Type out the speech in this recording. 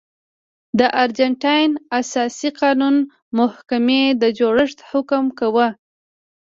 د ارجنټاین اساسي قانون محکمې د جوړښت حکم کاوه.